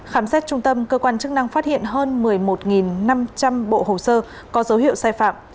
khám xét trung tâm cơ quan chức năng phát hiện hơn một mươi một năm trăm linh bộ hồ sơ có dấu hiệu sai phạm